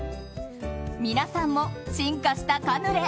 皆さんも、進化したカヌレ